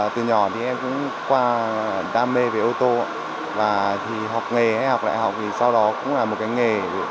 từ nhỏ thì em cũng qua đam mê về ô tô và học nghề hay học lại học thì sau đó cũng là một cái nghề